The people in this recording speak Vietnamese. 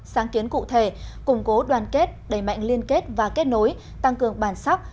sáng kiến cụ thể củng cố đoàn kết đẩy mạnh liên kết và kết nối tăng cường bản sắc